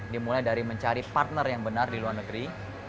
dimulai dari mencari partner yang benar di luar negeri